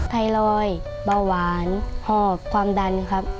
ไทรอยด์เบาหวานหอบความดันครับ